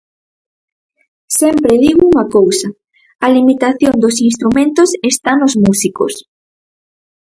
Sempre digo unha cousa: a limitación dos instrumentos está nos músicos.